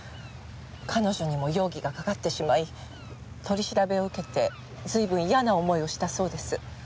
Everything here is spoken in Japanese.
彼女にも容疑がかかってしまい取り調べを受けて随分嫌な思いをしたそうです。